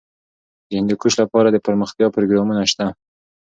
د هندوکش لپاره دپرمختیا پروګرامونه شته.